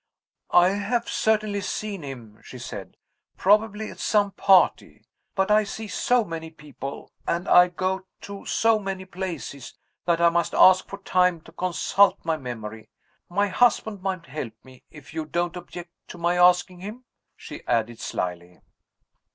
"I have certainly seen him," she said "probably at some party. But I see so many people, and I go to so many places, that I must ask for time to consult my memory. My husband might help me, if you don't object to my asking him," she added slyly.